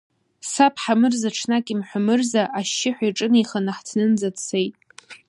Саб Ҳамырза ҽнак имҳәамырза ашьшьыҳәа иҿынеихан, аҳҭнынӡа дцеит.